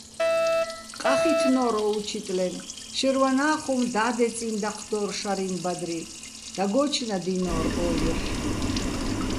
ყახითნო́რ ო უჩიტლენ, შაჲრვანა́ ხუმ და́დეწიჼ დაჴდო́რ შარიჼ ბადრი, დაგო́ჩნადჲინო́რ ო ჲოჰ̦.